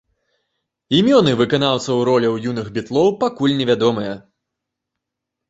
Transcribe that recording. Імёны выканаўцаў роляў юных бітлоў пакуль невядомыя.